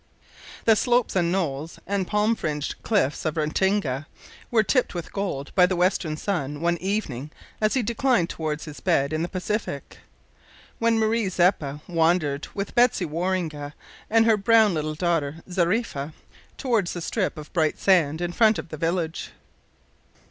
The slopes and knolls and palm fringed cliffs of Ratinga were tipped with gold by the western sun one evening as he declined towards his bed in the Pacific, when Marie Zeppa wandered with Betsy Waroonga and her brown little daughter Zariffa towards the strip of bright sand in front of the village.